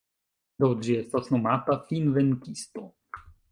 Do ĝi estas nomata Finvenkisto.